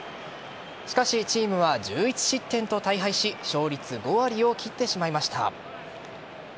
しかしチームは１１失点と大敗し勝率５割を切ってしまいました。